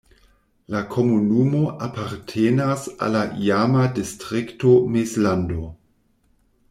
La komunumo apartenas al la iama distrikto Mezlando.